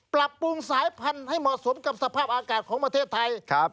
ปรับปรุงสายพันธุ์ให้เหมาะสมกับสภาพอากาศของประเทศไทย